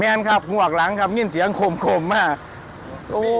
เนี่ยครับห่วกหลังยื่นเสียงคมมาคม